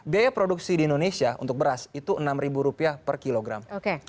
biaya produksi di indonesia untuk beras itu rp enam per kilogram